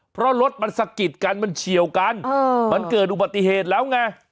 เพราะรถมันสะกิดกันมันเฉียวกันมันเกิดอุบัติเหตุแล้วไง